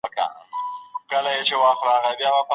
ولي هوډمن سړی د هوښیار انسان په پرتله موخي ترلاسه کوي؟